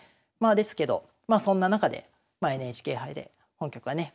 ですけどそんな中でＮＨＫ杯で本局はね